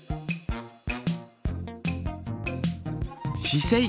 しせい。